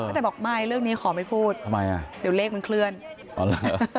แต่บอกไม่เรื่องนี้ขอไม่พูดทำไมอ่ะเดี๋ยวเลขมันเคลื่อนออนไลน์